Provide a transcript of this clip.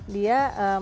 dia memang konsepnya